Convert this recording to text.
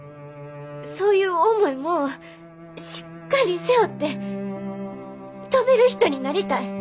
そういう重いもんをしっかり背負って飛べる人になりたい。